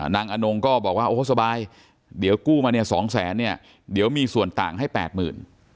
อนงก็บอกว่าโอ้โหสบายเดี๋ยวกู้มาเนี่ย๒แสนเนี่ยเดี๋ยวมีส่วนต่างให้แปดหมื่น